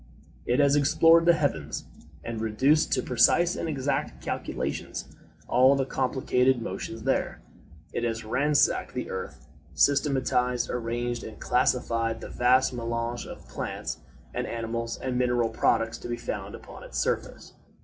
It has explored the heavens, and reduced to precise and exact calculations all the complicated motions there. It has ransacked the earth, systematized, arranged, and classified the vast melange of plants, and animals, and mineral products to be found upon its surface.